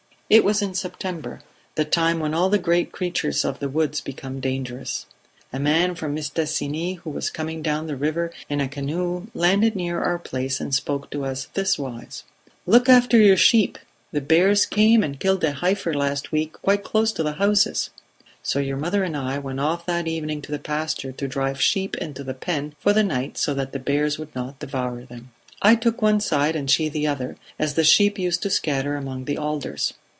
"It was in September; the time when all the great creatures of the woods become dangerous. A man from Mistassini who was coming down the river in a canoe landed near our place and spoke to us thiswise: 'Look after your sheep; the bears came and killed a heifer last week quite close to the houses.' So your mother and I went off that evening to the pasture to drive the sheep into the pen for the night so that the bears would not devour them. "I took one side and she the other, as the sheep used to scatter among the alders.